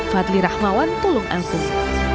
fadli rahmawan tulung antun